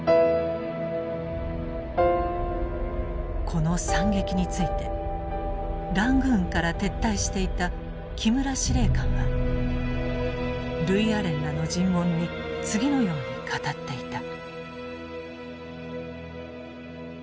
この惨劇についてラングーンから撤退していた木村司令官はルイアレンらの尋問に次のように語っていた。